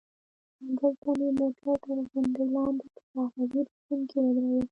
همدلته مې موټر تر غونډۍ لاندې په ساحوي روغتون کې ودراوه.